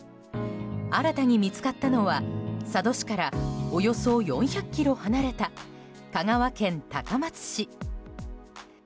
新たに見つかったのは佐渡市からおよそ４００ｋｍ離れた香川県高松市。